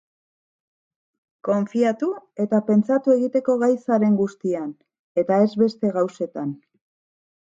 Konfiatu eta pentsatu egiteko gai zaren guztian, eta ez beste gauzetan.